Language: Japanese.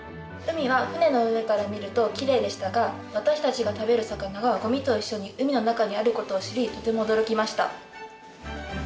海は船の上から見るときれいでしたが私たちが食べる魚がゴミと一緒に海の中にあることを知りとても驚きました。